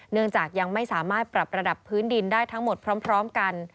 เนื่องจากยังไม่สามารถปรับระดับพื้นดินได้ทั้งหมดพร้อมกัน